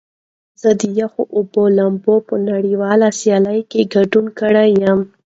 زه د یخو اوبو لامبو په نړیواله سیالۍ کې ګډون کړی یم.